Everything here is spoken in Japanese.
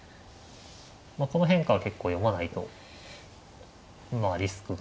この変化は結構読まないとリスクが。